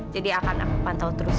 jadi akan aku pantau terus